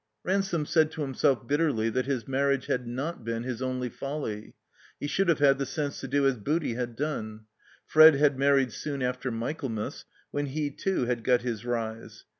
Ransome said to himself bitterly that his marriage had not been his only foUy. He should have had the sense to do as Booty had done. Fred had mar ried soon after Michaelmas, when he too had got his rise.